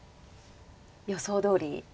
予想どおり。